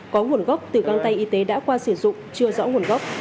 có nguồn gốc từ găng tay y tế đã qua sử dụng chưa rõ nguồn gốc